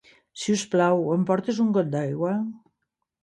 Si us plau, em portes un got d'aigua?